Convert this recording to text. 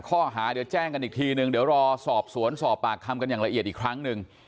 ข้อหาเดี๋ยวแจ้งกันอีกทีนึงเดี๋ยวรอสอบสวนสอบปากคำกันอย่างละเอียดอีกครั้งหนึ่ง